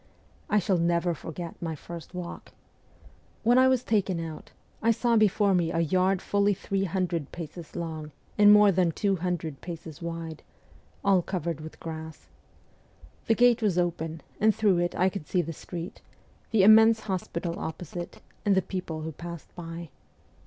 I shall never forget my first walk. "When I was taken out, I saw before me a yard fully three hundred paces long and more than two hundred paces wide, all covered with grass. The gate was open, and through it I could see the street, the immense hospital opposite, and the people who passed by.